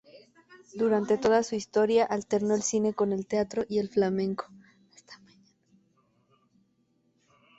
Durante toda su historia alternó el cine con el teatro y el flamenco.